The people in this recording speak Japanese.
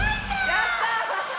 やった！